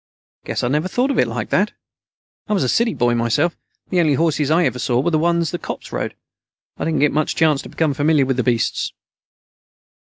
"Guess I never thought of it like that. I was a city boy myself. The only horses I ever saw were the ones the cops rode. I didn't get much chance to became familiar with the beasts."